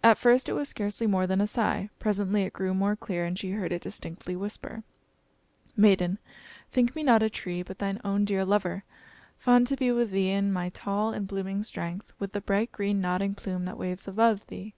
At first it was scarcely more than a sigh; presently it grew more clear, and she heard it distinctly whisper "Maiden! think me not a tree; but thine own dear lover; fond to be with thee in my tall and blooming strength, with the bright green nodding plume that waves above thee.